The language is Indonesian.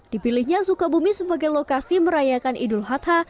dipilihnya sukabumi sebagai lokasi merayakan idul adha